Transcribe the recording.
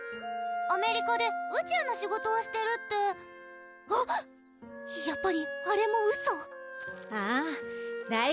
アメリカで宇宙の仕事をしてるってあっやっぱりあれもウソあぁ大学で宇宙の勉強して